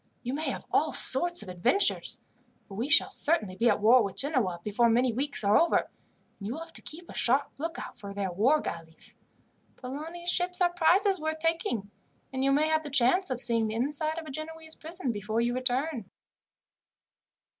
You may have all sorts of adventures, for we shall certainly be at war with Genoa before many weeks are over, and you will have to keep a sharp lookout for their war galleys. Polani's ships are prizes worth taking, and you may have the chance of seeing the inside of a Genoese prison before you return."